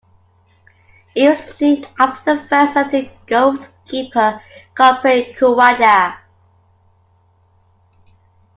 It was named after the first elected goat keeper, Gompei Kuwada.